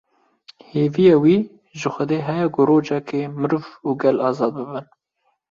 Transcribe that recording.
Hêviya wî ji Xwedî heye ku rojeke meriv û gel azad bibin